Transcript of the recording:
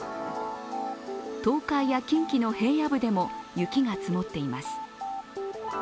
東海や近畿の平野部でも雪が積もっています。